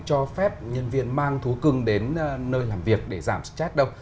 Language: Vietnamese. cho phép nhân viên mang thú cưng đến nơi làm việc để giảm stress đông